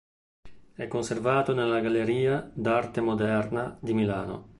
È conservato nella Galleria d'arte moderna di Milano.